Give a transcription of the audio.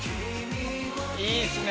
いいっすね！